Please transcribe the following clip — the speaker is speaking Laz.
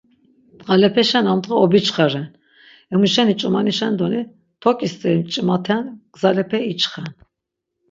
Dğalepeşen amdğa obiçxa ren, emuşeni ç̌umanişen doni tok̆i steri mç̆imaten gzalepe içxen.